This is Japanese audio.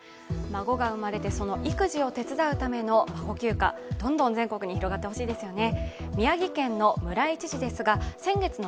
孫が生まれてその育児を手伝うための孫休暇、どんどん全国に広がってほしいですよね。